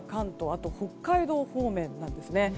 あと、北海道方面なんです。